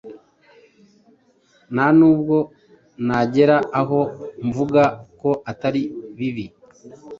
Ntanubwo nagera aho mvuga ko atari bibi.